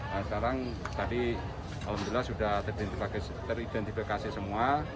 nah sekarang tadi alhamdulillah sudah teridentifikasi semua